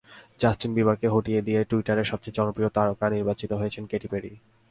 Justin বিবারকে হটিয়ে দিয়ে টুইটারের সবচেয়ে জনপ্রিয় তারকা নির্বাচিত হয়েছেন কেটি পেরি।